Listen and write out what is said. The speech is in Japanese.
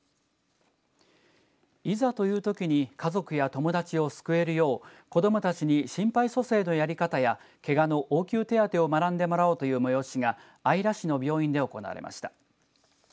いざというときに家族や友達を救えるよう子どもたちに心肺蘇生のやり方やけがの応急手当を学んでもらおうという催しが姶良市の病院で行われました。